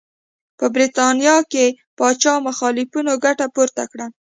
په برېټانیا کې پاچا مخالفینو ګټه پورته کړه.